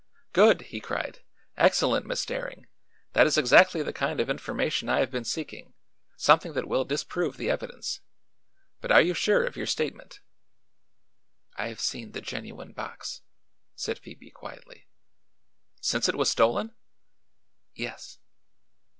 "Good!" he cried. "Excellent, Miss Daring. That is exactly the kind of information I have been seeking something that will disprove the evidence. But are you sure of your statement?" "I have seen the genuine box," said Phoebe quietly. "Since it was stolen?" "Yes."